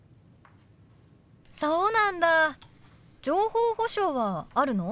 そうなんだ情報保障はあるの？